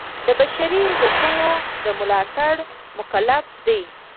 د بشري حقونو د ملاتړ مکلف دی.